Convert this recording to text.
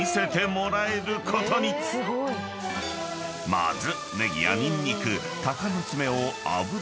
［まず］